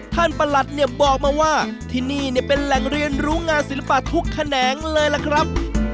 ท่านประหลัดบอกมาว่าที่นี่เป็นแหล่งเรียนรู้งานศิลปะทุกแขนงเลยล่ะครับ